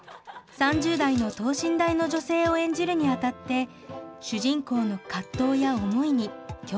３０代の等身大の女性を演じるにあたって主人公の葛藤や思いに共感したといいます。